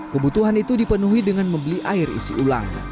kebutuhan itu dipenuhi dengan membeli air isi ulang